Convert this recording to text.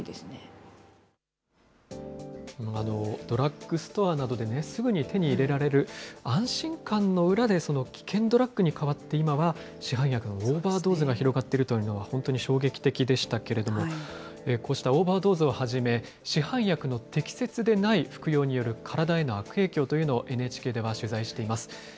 ドラッグストアなどで、すぐに手に入れられる、安心感の裏で、危険ドラッグに代わって、今は市販薬のオーバードーズが広がっているというのは、本当に衝撃的でしたけれども、こうしたオーバードーズをはじめ、市販薬の適切でない服用による体への悪影響というのを、ＮＨＫでは取材しています。